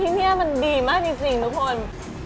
ที่นี่มันดีมากจริงทุกคน